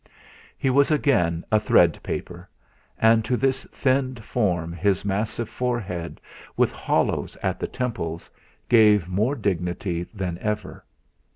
He was again a 'threadpaper'. and to this thinned form his massive forehead, with hollows at the temples, gave more dignity than ever.